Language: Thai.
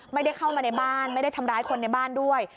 ไม่ได้เข้ามาในบ้านไม่ได้ทำร้ายคนในบ้านด้วย